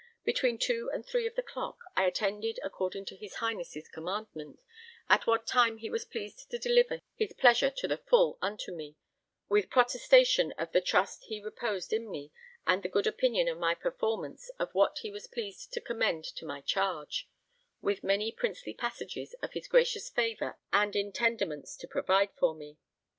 Between two and three of the clock, I attended according to his Highness' commandment, at what time he was pleased to deliver his pleasure to the full unto me, with protestation of the trust he reposed in me and the good opinion of my performance of what he was pleased to commend to my charge, with many princely passages of his gracious favour and intendiments to provide for me.